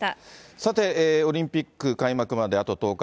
さて、オリンピック開幕まであと１０日。